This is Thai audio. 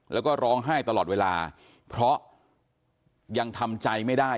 แล้วก็ร้องไห้ตลอดเวลาเพราะยังทำใจไม่ได้